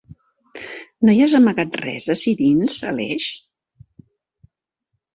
No hi has amagat res ací dins, Aleix?